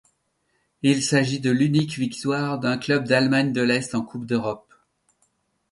Il s'agit de l’unique victoire d'un club d'Allemagne de l'Est en coupe d'Europe.